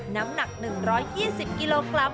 น้ำหนัก๑๒๐กิโลกรัม